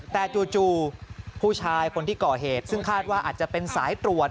แต่จู่ผู้ชายคนที่ก่อเหตุซึ่งคาดว่าอาจจะเป็นสายตรวจ